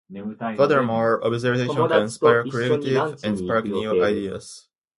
Furthermore, observation can inspire creativity and spark new ideas.